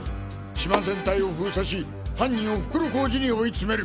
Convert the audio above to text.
島全体を封鎖し犯人を袋小路に追い詰める！